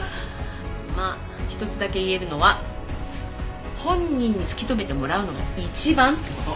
まあ一つだけ言えるのは本人に突き止めてもらうのが一番って事。